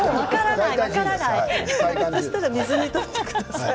そうしたら水に取ってください。